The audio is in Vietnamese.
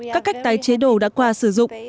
các cách tài chế đồ đã qua sử dụng